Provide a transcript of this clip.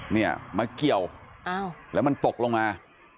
เนี่ยมาเกี่ยวแล้วมันตกลงมา